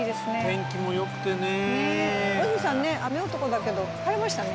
天気もよくてねねっ大泉さんね雨男だけど晴れましたね